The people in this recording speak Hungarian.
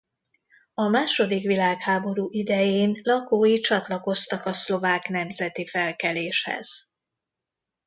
A második világháború idején lakói csatlakoztak a szlovák nemzeti felkeléshez.